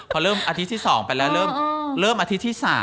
พอเริ่มอาทิตย์ที่๒ไปแล้วเริ่มอาทิตย์ที่๓